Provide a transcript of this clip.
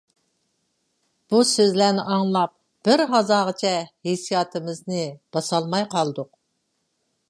بۇ سۆزلەرنى ئاڭلاپ، بىر ھازاغىچە ھېسسىياتىمىزنى باسالماي قالدۇق.